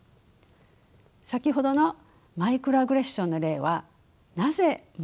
先ほどのマイクロアグレッションの例はなぜ問題なのでしょうか。